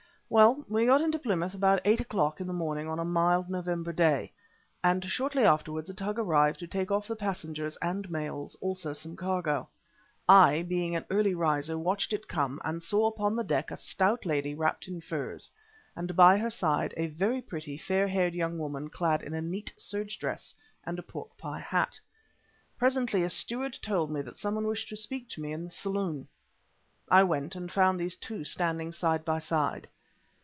Well, we got into Plymouth about eight o'clock in the morning, on a mild, November day, and shortly afterwards a tug arrived to take off the passengers and mails; also some cargo. I, being an early riser, watched it come and saw upon the deck a stout lady wrapped in furs, and by her side a very pretty, fair haired young woman clad in a neat serge dress and a pork pie hat. Presently a steward told me that someone wished to speak to me in the saloon. I went and found these two standing side by side.